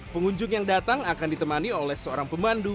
pengunjung yang datang akan ditemani oleh seorang pemandu